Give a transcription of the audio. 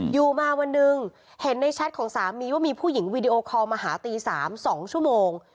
อยู่มาวันหนึ่งเห็นในแชทของสามีว่ามีผู้หญิงวีดีโอคอลมาหาตี๓๒ชั่วโมง